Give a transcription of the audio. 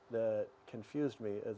yang membuat saya tertarik